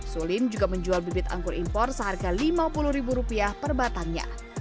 sulin juga menjual bibit angkur impor seharga lima puluh ribu rupiah per batangnya